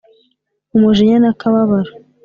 umujinya n' akababaro